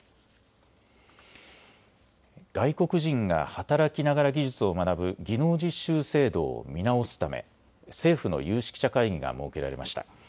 外国人が働きながら技術を学ぶ技能実習制度を見直すため政府の有識者会議が設けられました。